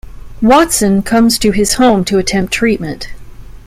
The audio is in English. Watson comes to his home to attempt treatment.